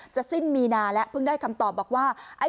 จะสิ้นมีนาแล้วเพิ่งได้คำตอบบอกว่า